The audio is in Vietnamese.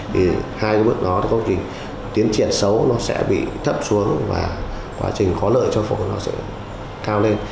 thì hai bước đó tế bào gốc tiến triển xấu sẽ bị thấp xuống và quá trình khó lợi cho phổi nó sẽ cao lên